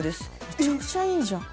めちゃくちゃいいじゃん。